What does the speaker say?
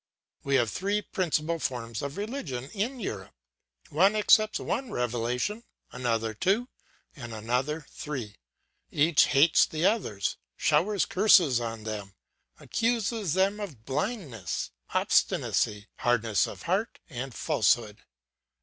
"We have three principal forms of religion in Europe. One accepts one revelation, another two, and another three. Each hates the others, showers curses on them, accuses them of blindness, obstinacy, hardness of heart, and falsehood.